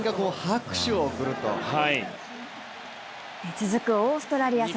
続くオーストラリア戦。